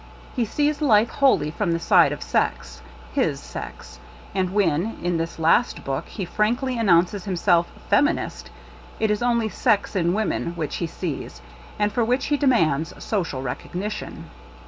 He sees life wholly from the side of sex — his sex ; and when, as in this last book, he frankly announces himself "femin ist," it is only sex in woman which he sees, and for which he demands social recognition.